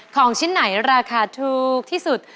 ของชิ้นไหนราคาถูกที่สุด